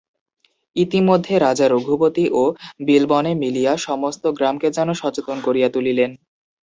ইতিমধ্যে রাজা রঘুপতি ও বিলবনে মিলিয়া সমস্ত গ্রামকে যেন সচেতন করিয়া তুলিলেন।